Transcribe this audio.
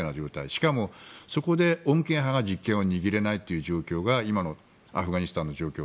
しかも、そこで穏健派が実権を握れないという状況が今のアフガニスタンの状況。